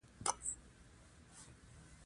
ريسک نامربوطه قېمتونه تخنيکي انتخابونو راجع کوو.